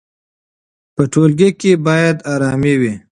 په ټولګي کې باید ارامي وي.